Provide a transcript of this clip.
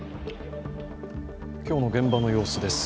今日の現場の様子です。